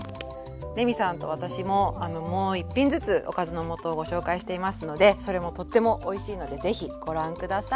レミさんと私ももう一品ずつおかずの素をご紹介していますのでそれもとってもおいしいので是非ご覧下さい。